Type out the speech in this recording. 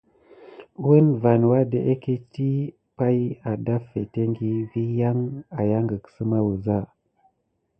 Woun van wadeket pay adaffetiŋgi vi yan ayangek səma wuza.